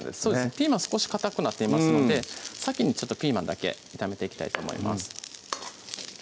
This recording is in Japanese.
少しかたくなっていますので先にピーマンだけ炒めていきたいと思います